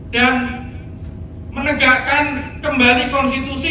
dan menegakkan kembali konstitusi